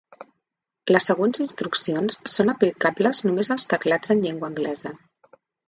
Les següents instruccions són aplicables només als teclats en llengua anglesa.